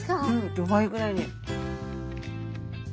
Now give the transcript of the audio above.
５倍ぐらいに。